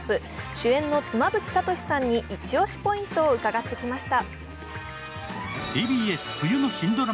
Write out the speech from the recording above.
主演の妻夫木聡さんにイチオシポイントを伺ってきました。